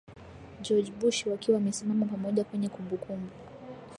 George Bush wakiwa wamesimama pamoja kwenye kumbukumbu